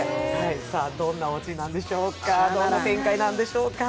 さあ、どんなオチなんでしょうか、どんな展開なんでしょうか。